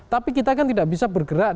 tapi kita kan tidak bisa bergerak